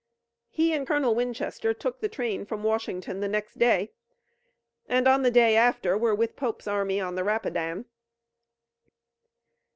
He and Colonel Winchester took the train from Washington the next day, and on the day after were with Pope's army on the Rapidan.